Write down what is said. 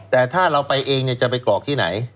แต่ถ้าเราไปเองจะไปกรอกที่ไหน